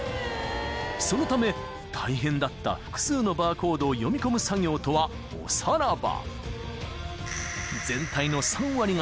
［そのため大変だった複数のバーコードを読み込む作業とはおさらば］